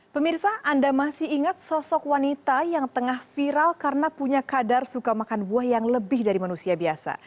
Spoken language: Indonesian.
pemirsa anda masih ingat sosok wanita yang tengah viral karena punya kadar suka makan buah yang lebih dari manusia biasa